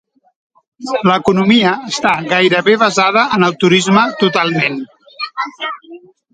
L'economia està gairebé basada en el turisme totalment.